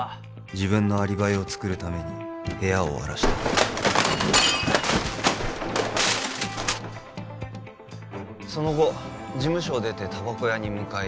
自分のアリバイを作るために部屋を荒らしたその後事務所を出てタバコ屋に向かい